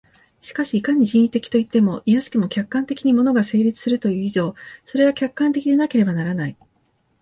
しかしいかに人為的といっても、いやしくも客観的に物が成立するという以上、それは客観的でなければならない。